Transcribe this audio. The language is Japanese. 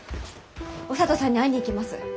お聡さんに会いに行きます。